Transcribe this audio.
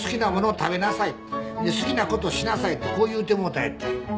で好きなことをしなさいってこう言うてもうたんやって。